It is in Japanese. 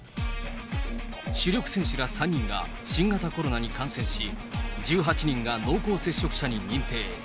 主力選手ら３人が新型コロナに感染し、１８人が濃厚接触者に認定。